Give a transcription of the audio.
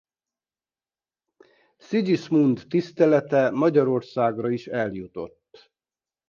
Sigismund tisztelete Magyarországra is eljutott.